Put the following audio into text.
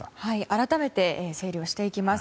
改めて整理していきます。